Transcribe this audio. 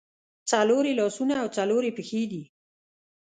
څلور یې لاسونه او څلور یې پښې دي.